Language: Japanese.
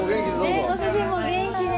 ねえご主人もお元気で。